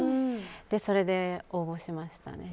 それで応募しましたね。